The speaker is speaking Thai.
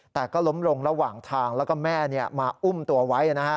แต่ก็ล้มลงระหว่างทางแล้วก็แม่มาอุ้มตัวไว้นะฮะ